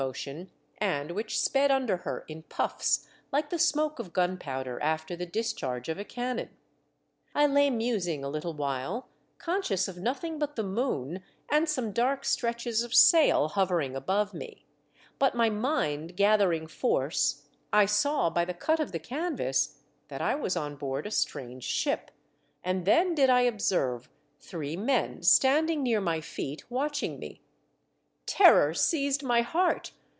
motion and which sped under her in puffs Hke the smoke of gunpowder after the discharge of a cannon. I lay musing a Httle while, conscious of nothing but the moon and some dark stretches of sail hovering above me ; but my mind gathering force, I saw by the cut of the canvas that I was on board a strange ship, and then did I observe three men standing near my feet watching me. Terror seized my heart.